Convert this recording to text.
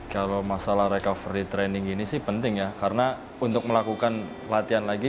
kalau masalah recovery training ini sih penting ya karena untuk melakukan latihan lagi